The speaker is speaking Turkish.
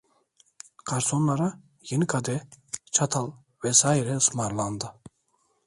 Garsonlara yeni kadeh, çatal vesaire ısmarlandı.